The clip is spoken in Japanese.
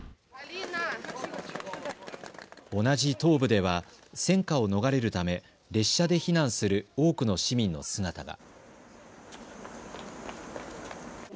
同じ東部では戦火を逃れるため列車で避難する多くの市民の姿が。